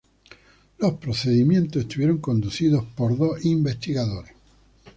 Los procedimientos estuvieron conducidos por dos investigadores.